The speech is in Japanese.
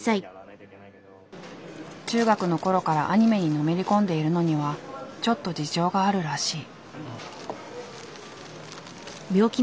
中学のころからアニメにのめり込んでいるのにはちょっと事情があるらしい。